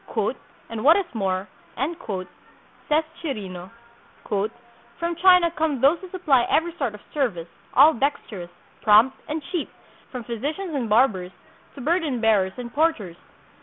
"And what is more," says Chirino, "from China come those who supply every sort of service, all dexterous, prompt, and cheap, from physicians and barbers to burden bearers and porters.